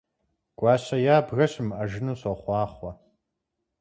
Гуащэ ябгэ щымыӀэжыну сохъуахъуэ!